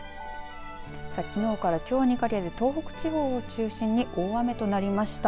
きのうからきょうにかけて東北地方を中心に大雨となりました。